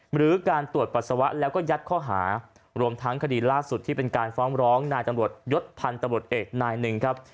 หรือการตรวจปัสสาวะแล้วก็ยัดข้อหารวมทั้งคดีล่าสุดที่เป็นการฟ้องร้องนายตำรวจยศพันธบทเอกนายหนึ่งครับ